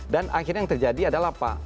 dan akhirnya yang terjadi adalah apa